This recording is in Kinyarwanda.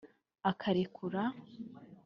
akarekura